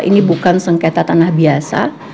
ini bukan sengketa tanah biasa